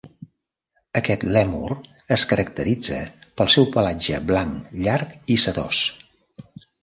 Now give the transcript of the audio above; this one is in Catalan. Aquest lèmur es caracteritza pel seu pelatge blanc, llarg i sedós.